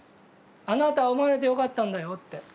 「あなたは生まれてよかったんだよ」って。